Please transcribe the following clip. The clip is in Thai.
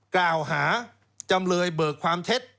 กล่าวหาจำเลยเบิกความเท็จ